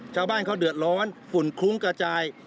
ชาวบ้านเขาเดือดร้อนฝุ่นคลุ้งกระจาย